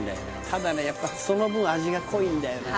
ただねやっぱその分味が濃いんだよな